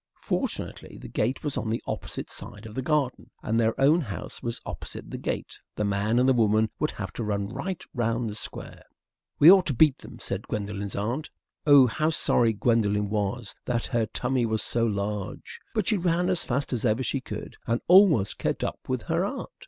Fortunately, the gate was on the opposite side of the garden, and their own house was opposite the gate. The man and the woman would have to run right round the Square. "We ought to beat them," said Gwendolen's aunt. Oh, how sorry Gwendolen was then that her tummy was so large! But she ran as fast as ever she could, and almost kept up with her aunt.